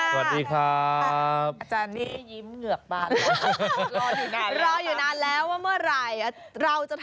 สวัสดีครับ